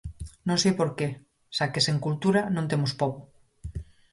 Non sei por que, xa que sen cultura non temos pobo.